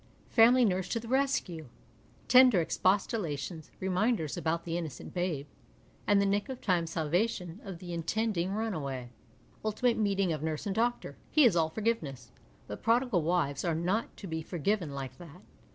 Family nurse to the rescue ! Tender expostulations, reminders about the innocent babe, and niek of timc salvation of the " intending " runaway. Ultimate meeting of nurse and doctor ; he is all forgiveness, but prodigal wives are not to be forgiven like that.